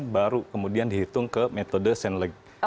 baru kemudian dihitung ke metode senleg